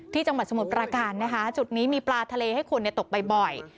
จังหวัดสมุทรประการนะคะจุดนี้มีปลาทะเลให้คนตกบ่อย